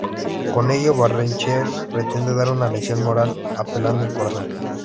Con ello, Barrenechea pretende dar una lección moral apelando al corazón.